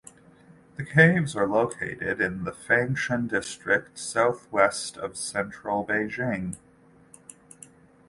The caves are located in Fangshan District, southwest of central Beijing.